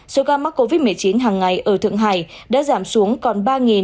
số ca mắc covid một mươi chín hàng ngày ở thượng hải đã giảm xuống còn ba